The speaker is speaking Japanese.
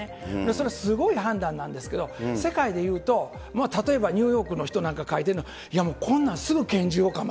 それはすごい判断なんですけど、世界でいうと、例えばニューヨークの人なんか書いてるの、いやもう、そうですね。